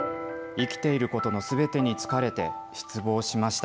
生きていることのすべてに疲れて失望しました。